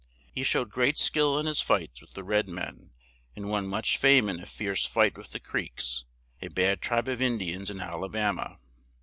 He showed great skill in his fights with the red men, and won much fame in a fierce fight with the Creeks, a bad tribe of In di ans in Al a ba ma.